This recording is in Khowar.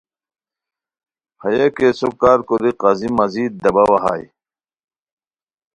ہیہ کیسو کار کوری قاضی مزید دباوا ہائے